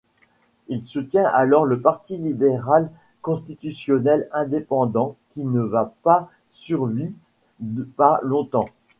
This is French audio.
Il soutient alors le Parti libéral constitutionnel indépendant qui ne pas survit pas longtemps.